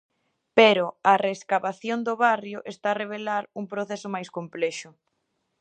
Pero a reescavación do barrio está a revelar un proceso máis complexo.